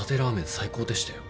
最高でしたよ。